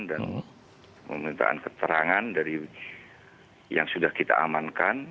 dan meminta keterangan dari yang sudah kita amankan